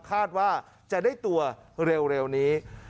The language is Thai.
คาดว่าจะได้ตัวเร็วนี้